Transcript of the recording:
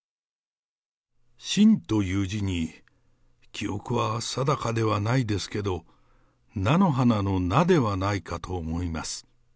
真という字に記憶は定かではないですけど、菜の花の菜ではないかと思います。